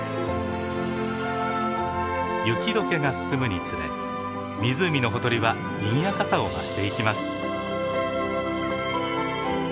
雪解けが進むにつれ湖のほとりはにぎやかさを増していきます。